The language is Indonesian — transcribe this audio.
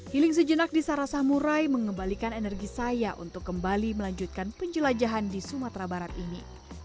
healing sejenak di sarasah murai mengembalikan energi saya untuk kembali melanjutkan penjelajahan di sumatera barat ini